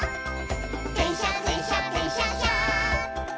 「でんしゃでんしゃでんしゃっしゃ」